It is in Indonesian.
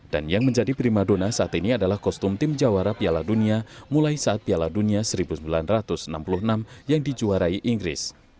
dan yang menjadi prima dona saat ini adalah kostum tim jawara piala dunia mulai saat piala dunia seribu sembilan ratus enam puluh enam yang dijuarai inggris